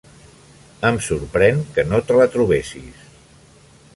Em sorprèn que no te la trobessis.